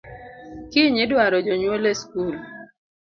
Kiny idwaro jonyuol e school